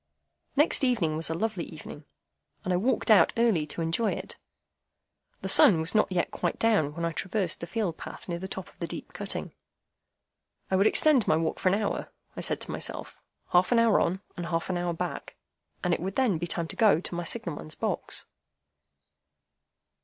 Next evening was a lovely evening, and I walked out early to enjoy it. The sun was not yet quite down when I traversed the field path near the top of the deep cutting. I would extend my walk for an hour, I said to myself, half an hour on and half an hour back, and it would then be time to go to my signal man's box.